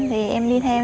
thì em đi theo